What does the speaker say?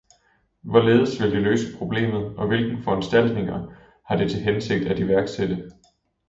Hvorledes vil det løse problemet, og hvilke foranstaltninger har det til hensigt at iværksætte?